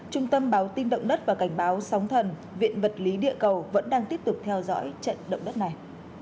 trung tâm báo tin động đất và cảnh báo sóng thần viện vật lý địa cầu vẫn đang tiếp tục theo dõi trận động đất này